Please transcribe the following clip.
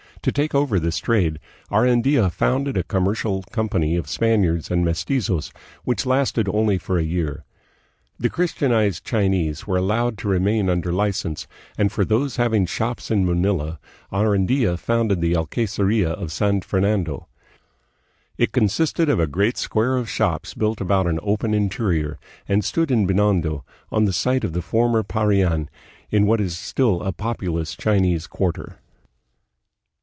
To take over this trade, Arandia founded a commercial com pany of Spaniards and mestizos, which lasted only for a year. The Christianized Chinese were allowed to remain under license, and for those having shops in Manila Arandia founded the Alcayceria of San Fernando. It consisted of a great square of shops built about an open interior, and stood in Binondo, on the site of the former Parian, in what is still a populous Chinese quarter.